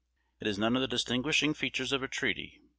It has none of the distinguishing features of a treaty.